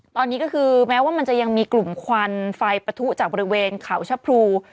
ตอนนี้ก็คือแม้ว่ามันจะยังมีกลุ่มควันไฟปะทุจากบริเวณเขาชะพรู